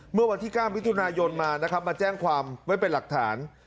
เมื่อวันที่ก้าวมิถุนายนมามาแจ้งความไว้เป็นหลักฐาน